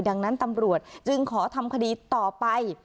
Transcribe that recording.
ดังนั้นตำรวจจึงขอทำคดีต่อไป